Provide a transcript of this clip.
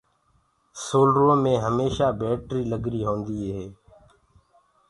سولرو مي هميشآ بيٽري لگري هوندي اي